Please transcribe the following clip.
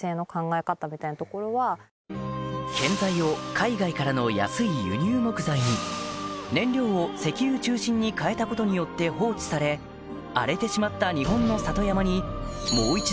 建材を海外からの安い輸入木材に燃料を石油中心に変えたことによって放置されという活動